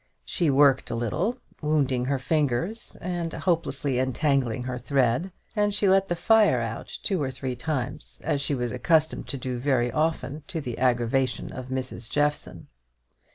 She worked a little, wounding her fingers, and hopelessly entangling her thread; and she let the fire out two or three times, as she was accustomed to do very often, to the aggravation of Mrs. Jeffson.